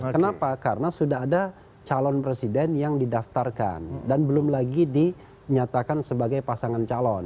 kenapa karena sudah ada calon presiden yang didaftarkan dan belum lagi dinyatakan sebagai pasangan calon